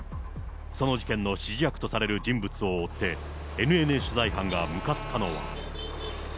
その事件の指示役とされる人物を追って、ＮＮＮ取材班が向かったのは。